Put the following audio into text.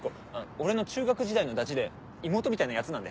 俺の中学時代のダチで妹みたいなヤツなんで。